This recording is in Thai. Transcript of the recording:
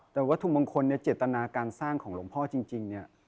แต่วัตถุมงคลเนี่ยเจตนาการสร้างของหลวงพ่อจริงเนี่ย